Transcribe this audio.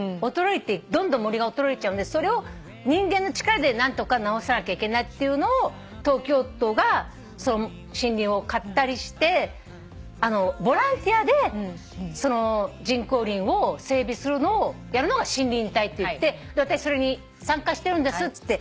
どんどん森が衰えちゃうんでそれを人間の力で何とか直さなきゃいけないっていうのを東京都が森林を買ったりしてボランティアでその人工林を整備するのをやるのが森林隊っていって私それに参加してるんですっつって。